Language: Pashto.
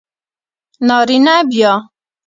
نارینه بیا